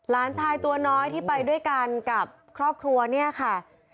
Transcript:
หลานชายตัวน้อยที่ไปด้วยกันกับครอบครัวเนี่ยค่ะ